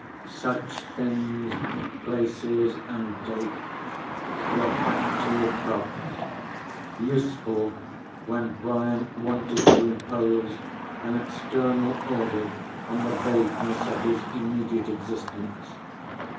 Such things, places and dates, were factual props, useful when Brian wanted to impose an external order on the vagueness of his immediate existence.